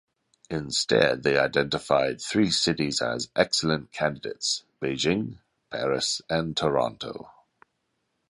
Instead, they identified three cities as excellent candidates; Beijing, Paris, and Toronto.